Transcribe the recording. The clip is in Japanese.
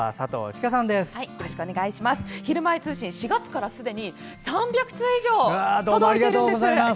４月からすでに３００通以上届いているんです。